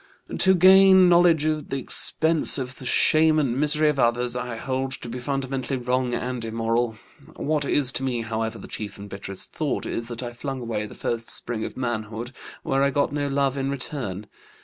To gain knowledge at the expense of the shame and misery of others I hold to be fundamentally wrong and immoral. What is to me, however, the chief and bitterest thought is that I flung away the first spring of manhood where I got no love in return.